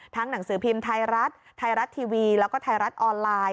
หนังสือพิมพ์ไทยรัฐไทยรัฐทีวีแล้วก็ไทยรัฐออนไลน์